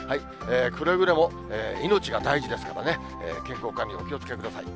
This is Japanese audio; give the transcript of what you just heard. くれぐれも命が大事ですからね、健康管理、お気をつけください。